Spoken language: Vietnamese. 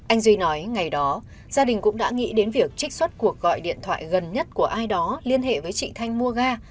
anh duy nói ngày đó gia đình cũng đã nghĩ đến việc trích xuất cuộc gọi điện thoại gần nhất của ai đó liên hệ với chị thanh mua ga